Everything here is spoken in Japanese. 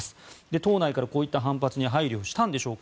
党内からのこういった反発に配慮したんでしょうか。